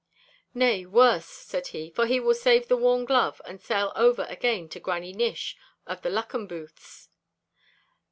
'Nay, worse,' said he, 'for he will save the worn glove to sell over again to Granny Nish of the Luckenbooths.